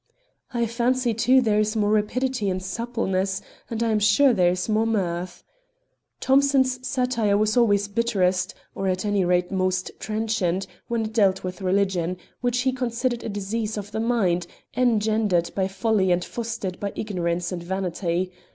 I fancy, too, there is more rapidity and suppleness, and I am sure there is more mirth. Thomson's satire was always bitterest, or at any rate most trenchant, when it dealt with Religion, which he considered a disease of the mind, engendered by folly and fostered by ignorance and vanity.